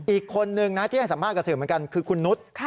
อีกคนนึงนะที่ให้สัมภาษณ์สื่อเหมือนกันคือคุณนุษย์